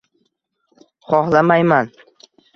Xohlamayman.